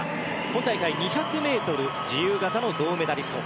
今大会２００ｍ自由形の銅メダリスト。